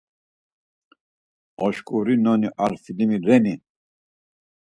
Oşkurinoni ar filimi reni?